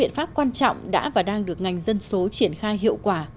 các quan trọng đã và đang được ngành dân số triển khai hiệu quả